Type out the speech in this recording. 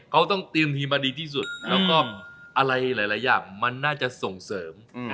เขาต้องเตรียมทีมมาดีที่สุดแล้วก็อะไรหลายอย่างมันน่าจะส่งเสริม